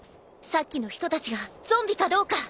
さっきの人たちがゾンビかどうか。